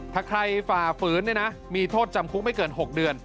ถ้าใครฝ่าฝืนมีโทษจำคุกไม่เกิน๖เดือน